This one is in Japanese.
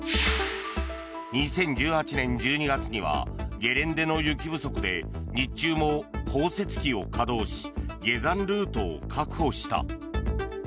２０１８年１２月にはゲレンデの雪不足で日中も降雪機を稼働し下山ルートを確保した。